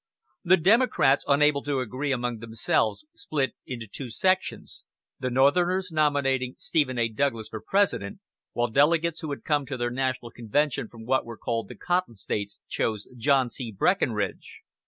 The Democrats, unable to agree among themselves, split into two sections, the Northerners nominating Stephen A. Douglas for President, while delegates who had come to their National Convention from what were called the Cotton States chose John C. Breckinridge.